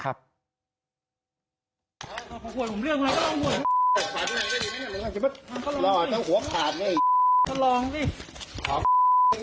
อ่าผมกลัวผมเลือกไหมต้องกลัวมันก็ลองดิ